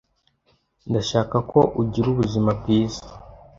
Ndashaka ko agira ubuzima bwiza.